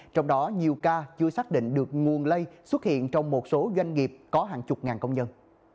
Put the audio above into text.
trong đó nhiều ca chưa xác định được nguồn lây xuất hiện trong một số doanh nghiệp có hàng chục ngàn công nhân